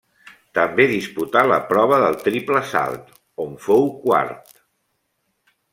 També disputà la prova del triple salt, on fou quart.